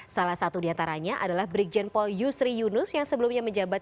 salah satu diantaranya adalah brigjen paul yusri yunus yang sebelumnya menjabat